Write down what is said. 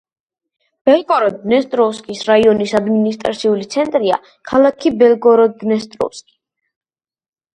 ბელგოროდ-დნესტროვსკის რაიონის ადმინისტრაციული ცენტრია ქალაქი ბელგოროდ-დნესტროვსკი.